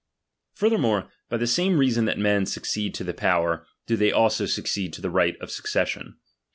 Furthermore, by the same reason that meu 1° ">c sama succeed to the power, do they also succeed to them^TucceBd right of succession.